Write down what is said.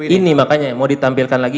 ini makanya mau ditampilkan lagi